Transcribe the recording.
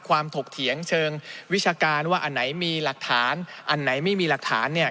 ถกเถียงเชิงวิชาการว่าอันไหนมีหลักฐานอันไหนไม่มีหลักฐานเนี่ย